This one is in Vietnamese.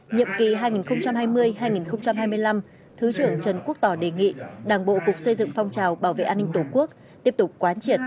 nhiệm kỳ hai nghìn hai mươi hai nghìn hai mươi năm thứ trưởng trần quốc tỏ đề nghị đảng bộ cục xây dựng phong trào bảo vệ an ninh tổ quốc tiếp tục quán triệt